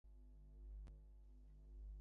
এখান থেকে বের হওয়ার আর কোন পথ আমার কাছে ছিলো না।